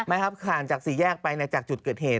ไม่ครับผ่านจากสี่แยกไปจากจุดเกิดเหตุ